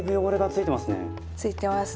ついてますね。